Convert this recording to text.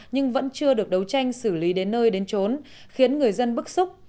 nhưng vẫn chưa được đấu tranh xử lý đến nơi đến trốn khiến người dân bức xúc